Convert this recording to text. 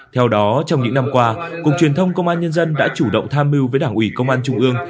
theo đó trong những năm qua cục truyền thông công an nhân dân đã chủ động tham mưu với đảng ủy công an trung ương